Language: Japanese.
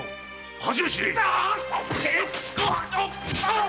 恥を知れ！